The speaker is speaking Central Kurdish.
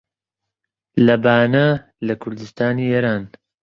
لە بانە لە کوردستانی ئێران